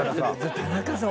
田中さん